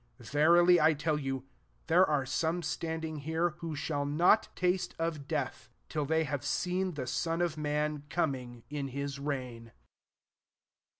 28 Verily I tell you, There are some standing here, who shall not taste of death, till they have seen the Son of man coming in his reign."